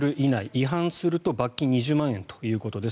違反すると罰金２０万円ということです。